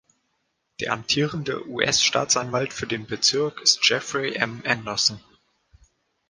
Der amtierende US-Staatsanwalt für den Bezirk ist Jeffrey M. Anderson.